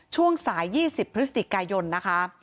ช่วงสาย๒๐พฤศจิกายนนะคะ